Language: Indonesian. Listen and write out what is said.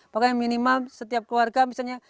makanya minimal setiap keluarga misalnya